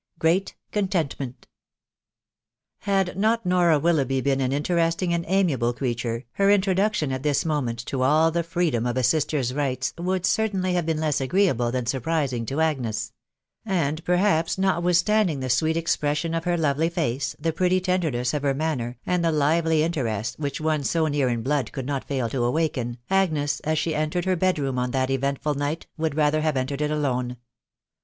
GREAT CONTENTMENT. Had not Nora Willoughby been an interesting and amiable creature, her introduction at this moment to all the freedom of a sister's rights would certainly have been less agreeable than surprising to Agnes; and perhaps, notwithstanding the sweet expression of her lovely face, the pretty tenderness of her manner, and the lively interest which one so near in blood could not fail to awaken, Agnes, as she entered 'her bed room on that eventful night, would rather have entered it alone.